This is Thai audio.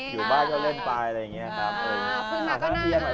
อยู่บ้านก็เล่นไปอะไรอย่างนี้ครับ